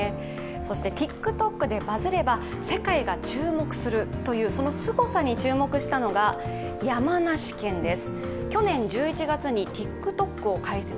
そしてＴｉｋＴｏｋでバズれば世界が注目するというそのすごさに注目したのが山梨県です。